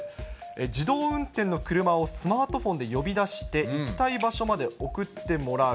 自動運転の車をスマートフォンで呼び出して、行きたい場所まで送ってもらう。